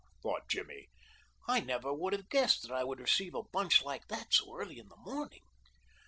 "Whew!" thought Jimmy. "I never would have guessed that I would receive a bunch like that so early in the morning."